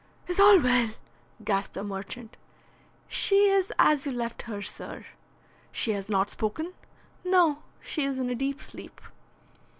"Is all well?" gasped the merchant. "She is as you left her, sir." "She has not spoken?" "No; she is in a deep sleep."